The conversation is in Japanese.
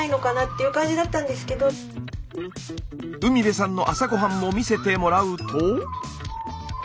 海辺さんの朝ごはんも見せてもらうと。